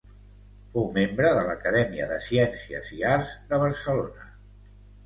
Fou membre de l'Acadèmia de Ciències i Arts de Barcelona.